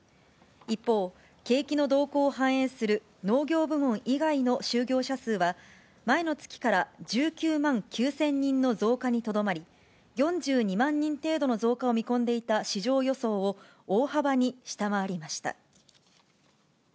一方、景気の動向を反映する農業部門以外の就業者数は、前の月から１９万９０００人の増加にとどまり、４２万人程度の増加を見込んでいた市場予想を大幅に下回りました。